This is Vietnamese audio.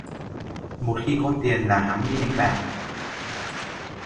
Một khi có tiền là hắn đi đánh bạc